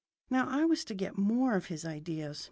Now I was to get more of his ideas.